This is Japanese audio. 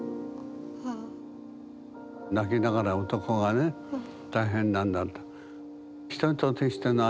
泣きながら男がね大変なんだと。